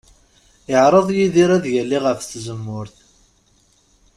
Iɛreḍ Yidir ad yali ɣef tzemmurt.